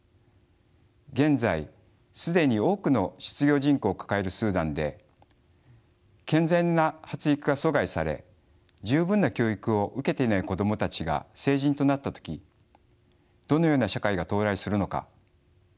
現在既に多くの失業人口を抱えるスーダンで健全な発育が阻害され十分な教育を受けていない子供たちが成人となった時どのような社会が到来するのか。